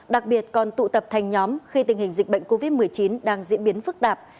đặc biệt còn tụ tập thành nhóm khi tình hình dịch bệnh covid một mươi chín đang diễn biến phức tạp